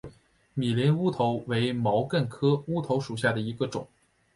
米林乌头为毛茛科乌头属下的一个种。